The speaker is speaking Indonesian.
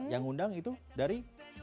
yang undang itu dari